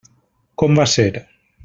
Com va ser?